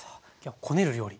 こねる料理。